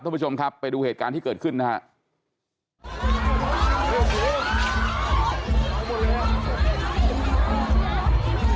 ท่านผู้ชมครับไปดูเหตุการณ์ที่เกิดขึ้นนะครับ